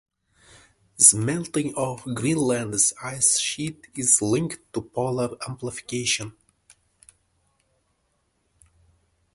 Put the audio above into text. The melting of Greenland's ice sheet is linked to polar amplification.